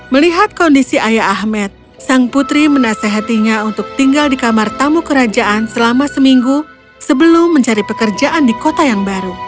melihat kondisi ayah ahmed sang putri menasehatinya untuk tinggal di kamar tamu kerajaan selama seminggu sebelum mencari pekerjaan di kota yang baru